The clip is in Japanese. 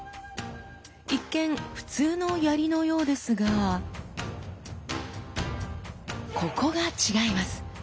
一見普通の槍のようですがここが違います！